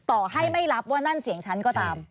ต่อให้ไม่รับว่านั่นเสียงฉันก็ตาม